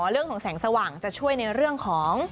เรื่องของแสงสว่างจะช่วยในเรื่องของ